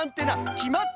きまった！